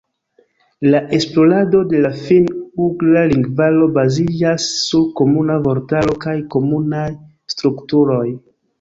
La esplorado de la finn-ugra lingvaro baziĝas sur komuna vortaro kaj komunaj strukturoj.